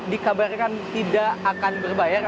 dikabarkan tidak akan berbayar